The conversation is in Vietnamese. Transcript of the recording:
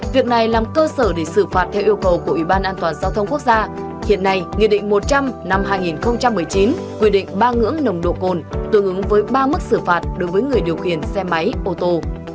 việc này làm cơ sở để xử phạt theo yêu cầu của ủy ban an toàn giao thông quốc gia hiện nay nghị định một trăm linh năm hai nghìn một mươi chín quy định ba ngưỡng nồng độ cồn tương ứng với ba mức xử phạt đối với người điều khiển xe máy ô tô